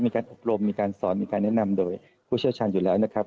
มีการอบรมมีการสอนมีการแนะนำโดยผู้เชี่ยวชาญอยู่แล้วนะครับ